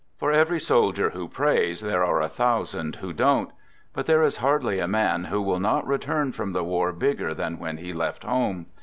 For every soldier who prays, there are a thousand who don't. But there is hardly a man who will not return from the war bigger than when he left home.